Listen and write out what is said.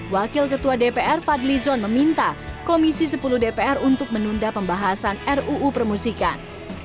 wakil ketua dpr fadli zon meminta komisi sepuluh dpr untuk menunda pembahasan ruu permusikan